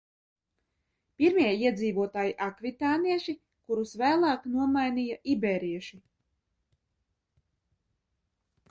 Pirmie iedzīvotāji – akvitānieši, kurus vēlāk nomainīja ibērieši.